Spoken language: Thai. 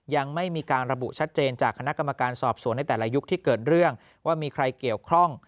ยังไม่มีการระบุชัดเจนจากคณะกรรมการสอบสวนในแต่ละยุคที่เกิดเรื่องว่ามีใครเกี่ยวข้อง